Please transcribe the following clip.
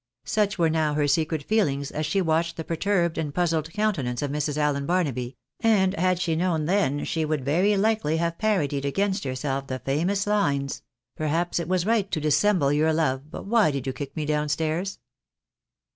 Such were now her secret feelings as she watched the perturbed and puzzled countenance of Mrs. Allen Barnaby, and had she known them, she would very likely have parodied against herself the famous lines — Perhaps it was right to dissemble ynur love, But why did you kick me down stairs